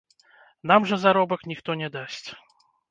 Нам жа заробак ніхто не дасць.